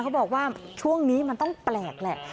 เขาบอกว่าช่วงนี้มันต้องแปลกแหละ